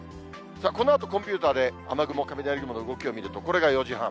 このあとコンピューターで雨雲、雷雲の動きを見ると、これが４時半。